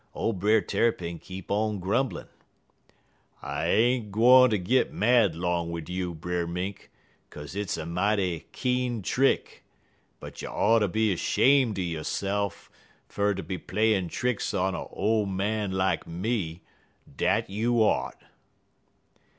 Ole Brer Tarrypin keep on grumblin'. "'I ain't gwine ter git mad long wid you, Brer Mink, 'kaze hit's a mighty keen trick, but you oughter be 'shame' yo'se'f fer ter be playin' tricks on a ole man lak me dat you ought!'